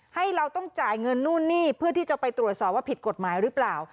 ให้เราต้องจ่ายเงินนู่นนี่เพื่อที่จะไปตรวจสอบว่าผิดกฎหมายหรือเปล่า